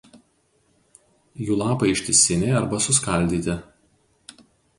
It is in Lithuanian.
Jų lapai ištisiniai arba suskaldyti.